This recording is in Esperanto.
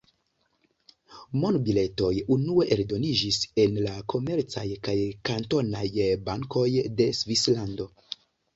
Monbiletoj unue eldoniĝis en la komercaj kaj kantonaj bankoj de Svislando.